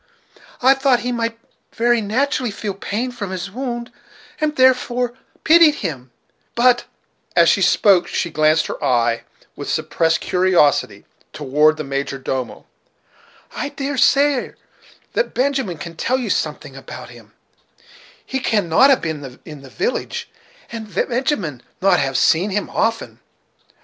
I thought he might very naturally feel pain from his wound, and therefore pitied him; but" and as she spoke she glanced her eye, with suppressed curiosity, toward the major domo "I dare say, sir, that Benjamin can tell you something about him, he cannot have been in the village, and Benjamin not have seen him often."